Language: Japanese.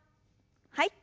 はい。